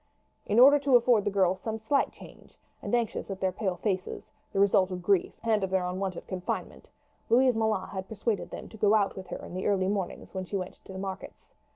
In order to afford the girls some slight change, and anxious at their pale faces, the result of grief and of their unwonted confinement, Louise Moulin had persuaded them to go out with her in the early mornings when she went to the markets.